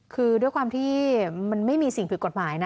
คือด้วยความที่มันไม่มีสิ่งผิดกฎหมายนะ